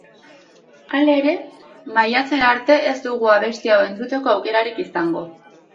Halere, maiatzera arte ez dugu abesti hau entzuteko aukerarik izango.